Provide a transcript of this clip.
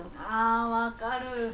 あわかる。